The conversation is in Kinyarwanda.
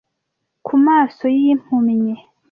Ku maso y'impumyi.